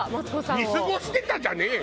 「見過ごしてた」じゃねえよ！